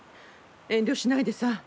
遠慮しないでさ。